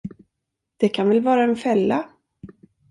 Det kan väl vara en fälla?